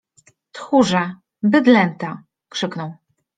Tchórze! Bydlęta! - krzyknął.